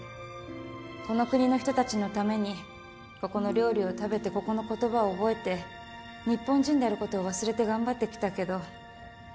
この国の人たちのためにここの料理を食べてここの言葉を覚えて日本人であることを忘れて頑張ってきたけどやっぱりダメですね料理は